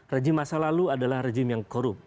rejim masa lalu adalah rejim yang korup